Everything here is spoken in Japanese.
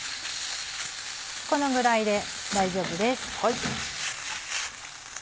このぐらいで大丈夫です。